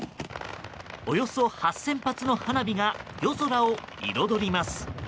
およそ８０００発の花火が夜空を彩ります。